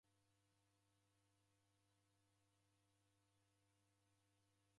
W'aw'eanywa chofi na kusoka w'andu vindo.